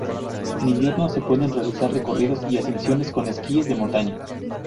En invierno se pueden realizar recorridos y ascensiones con esquíes de montaña.